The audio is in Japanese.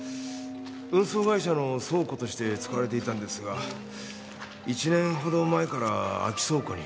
運送会社の倉庫として使われていたんですが１年ほど前から空き倉庫に。